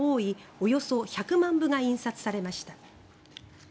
およそ１００万部が印刷されました。